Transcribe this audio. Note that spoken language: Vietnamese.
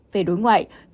về đối ngoại